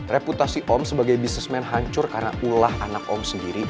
reputasi om sebagai bisnismen hancur karena ulah anak om sendiri